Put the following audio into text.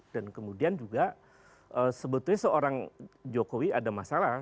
dan kemudian juga sebetulnya seorang jokowi ada masalah